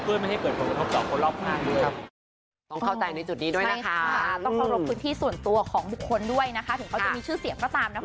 เพื่อไม่ให้เกิดผลกระทบต่อคนรอบข้างด้วย